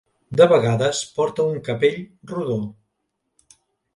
De vegades porta un capell rodó.